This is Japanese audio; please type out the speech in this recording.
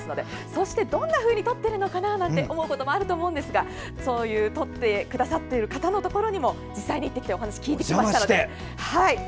そして、どんなふうに撮っているかなと思うこともあると思うんですが撮ってくださっている方のところにも実際に入ってきてお話を聞いてきました。